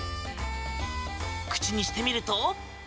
口にしてみると。